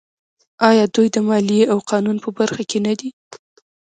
آیا دوی د مالیې او قانون په برخه کې نه دي؟